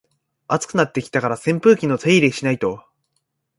暑くなってきたから扇風機の手入れしないと